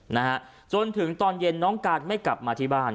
นะฮะจนถึงตอนเย็นน้องการไม่กลับมาที่บ้าน